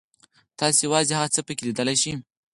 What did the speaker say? تاسو یوازې هغه څه پکې لیدلی شئ.